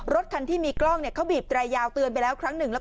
รถคันที่มีกล้องเนี่ยเขาบีบแตรยาวเตือนไปแล้วครั้งหนึ่งแล้ว